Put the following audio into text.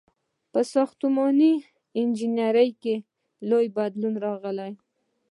• په ساختماني انجینرۍ کې لوی بدلونونه راغلل.